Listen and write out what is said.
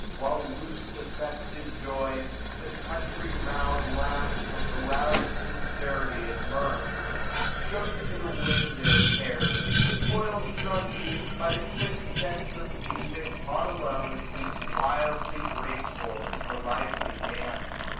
While, loose to festive joy, the country round Laughs with the loud siacerity gf mirth, 1220 AUTUMN. t6y Shook to the wind their cares. The toil strung youth By the quick sense of music taught alone^ Leaps wildly graceful in the lively dance.